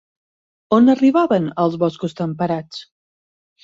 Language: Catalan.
On arribaven els boscos temperats?